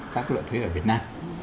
các loại thuế ở việt nam